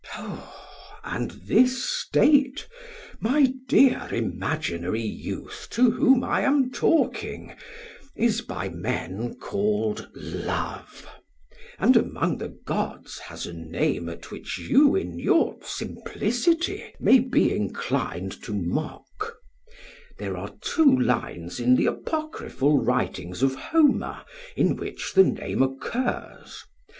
And this state, my dear imaginary youth to whom I am talking, is by men called love, and among the gods has a name at which you, in your simplicity, may be inclined to mock; there are two lines in the apocryphal writings of Homer in which the name occurs.